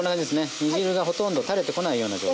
煮汁がほとんど垂れてこないような状態。